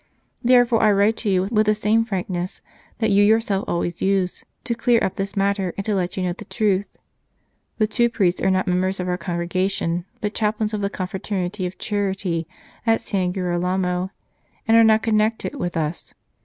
Therefore I write to you with the same frankness that you yourself always use, to clear up this matter and to let you know the truth. The two priests are not members of our congregation, but chaplains of the Confraternity of Charity at San Girolamo, and are not connected w r ith us.